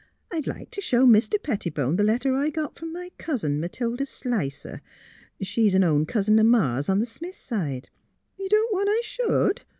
"I'd like t' show Mr. Pettibone the letter I got from my cousin, Matilda Slicer — she's an own cousin o' Ma's on the Smith side. ... You don't want I should?